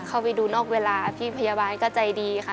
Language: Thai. เข้าไปดูนอกเวลาพี่พยาบาลก็ใจดีค่ะ